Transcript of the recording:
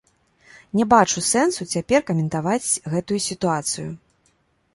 Не бачу сэнсу цяпер каментаваць гэтую сітуацыю.